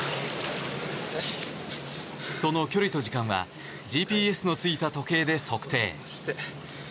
その距離と時間はＧＰＳのついた時計で測定。